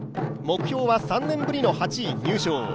目標は３年ぶりの８位入賞。